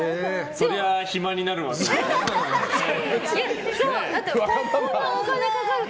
そりゃあ、暇になるわって。